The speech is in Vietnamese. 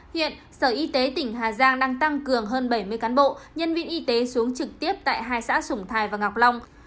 hiện sở y tế tỉnh hà giang đang tăng cường hơn bảy mươi cán bộ nhân viên y tế xuống trực tiếp tại hai xã sủng thái và ngọc long